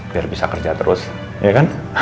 biar bisa kerja terus ya kan